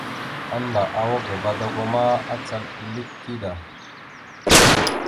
Annda awak ga vadago ma, acal ille kida.